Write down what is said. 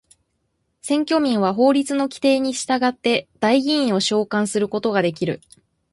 選挙民は法律の規定に従って代議員を召還することができる。